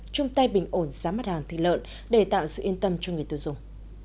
chung tay bình ổn giá mặt hàng thịt lợn để tạo sự yên tâm cho người tiêu dùng